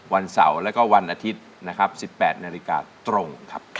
วันเสาร์และวันอาทิตย์๑๘นาฬิกาตรง